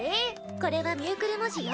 これはミュークル文字よ。